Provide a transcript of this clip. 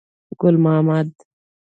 ګل محمد.